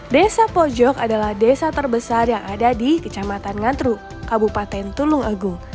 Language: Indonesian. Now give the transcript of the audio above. desa pojok adalah desa terbesar yang ada di kecamatan ngatru kabupaten tulungagung